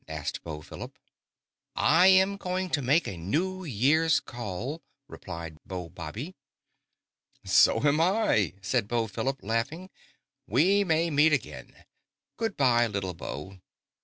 asked Beau Philip. "I am going to make a New Year's call," replied Beau Bobby. "So am I," said Beau Philip, laughing. "We may meet again. Good by, little Beau!"